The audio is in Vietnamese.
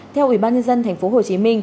theo ủy ban nhân dân tp hcm